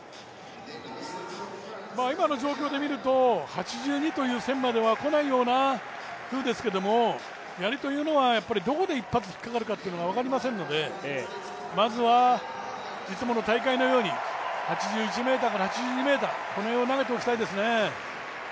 今の状況て見ると８２という線までは来ないようですけれども、やりというのは、どこで一発引っ掛かるかというのは分かりませんので、まずは、いつもの大会のように１８ｍから８２ｍ、この辺を投げておきたいですね。